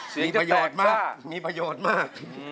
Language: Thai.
มีประโยชน์มากมีประโยชน์มาก